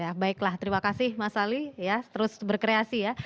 ya baiklah terima kasih mas ali ya terus berkreasi ya